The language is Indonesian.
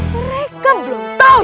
mereka belum tahu